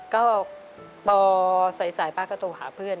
ก็ปสายป้าก็ต้องหาเพื่อน